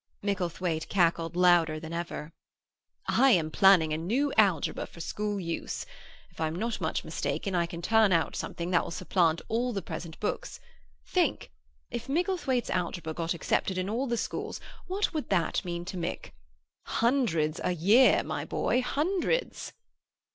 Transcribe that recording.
Micklethwaite cackled louder than ever. "I am planning a new algebra for school use. If I'm not much mistaken, I can turn out something that will supplant all the present books. Think! If Micklethwaite's Algebra got accepted in all the schools, what would that mean to Mick? Hundreds a year, my boy—hundreds."